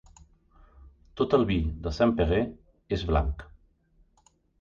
Tot el vi de Saint-Péray és blanc.